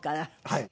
はい。